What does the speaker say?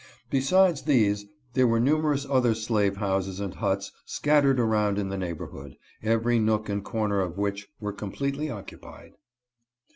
Besides these, there were numerous other slave houses and huts scattered around in the neighborhood, every nook and corner of which were completely occupied.